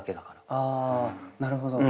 あなるほど。